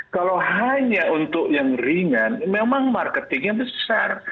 kalau hanya untuk yang ringan memang marketingnya besar